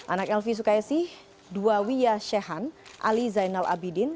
anak elvi sukaisi dwa wiyah shehan ali zainal abidin